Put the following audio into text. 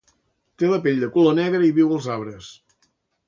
Té la pell de color negre i viu als arbres